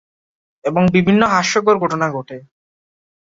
এবং বিভিন্ন হাস্যকর ঘটনা ঘটে।